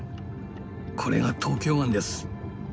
これが東京湾です。